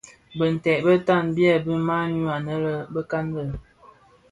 Binted bitan byèbi manyu anë bekan lè.